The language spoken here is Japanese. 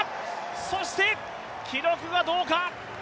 そして、記録がどうか？